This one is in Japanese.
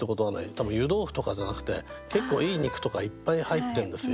多分湯豆腐とかじゃなくて結構いい肉とかいっぱい入ってるんですよ。